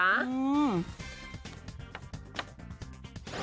อืม